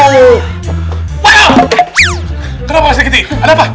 kenapa mas dikiti ada apa